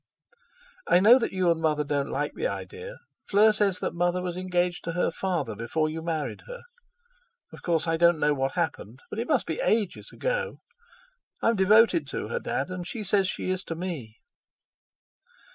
"I know that you and Mother don't like the idea. Fleur says that Mother was engaged to her father before you married her. Of course I don't know what happened, but it must be ages ago. I'm devoted to her, Dad, and she says she is to me."